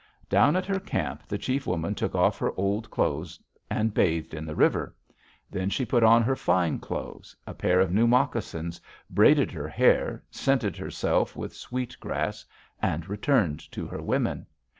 "Down at her camp the chief woman took off her old clothes and bathed in the river. Then she put on her fine clothes, a pair of new moccasins, braided her hair, scented herself with sweetgrass, and returned to her women.